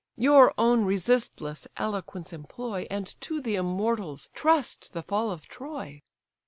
Your own resistless eloquence employ, And to the immortals trust the fall of Troy."